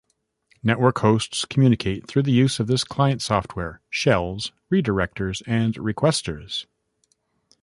Networks Hosts communicate through use of this client software: Shells, Redirectors and Requesters.